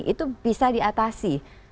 itu bisa diatasi